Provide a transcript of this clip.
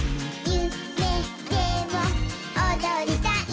「ゆめでもおどりたい」